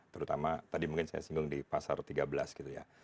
terutama tadi mungkin saya singgung di pasar tiga belas gitu ya